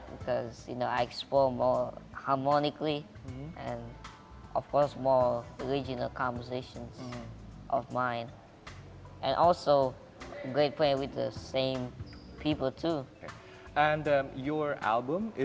bagaimana perasaan kamu apakah itu komplementasi atau tantangan untukmu